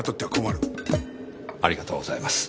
ありがとうございます。